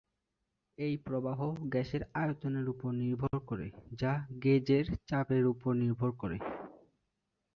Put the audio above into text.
এই প্রবাহ গ্যাসের আয়নের উপর নির্ভর করে যা গেজের চাপের উপর নির্ভর করে।